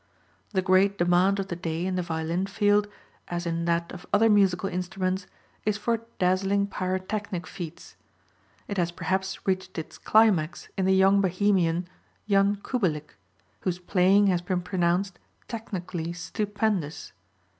The great demand of the day in the violin field, as in that of other musical instruments, is for dazzling pyrotechnic feats. It has perhaps reached its climax in the young Bohemian Jan Kubelik, whose playing has been pronounced technically stupendous.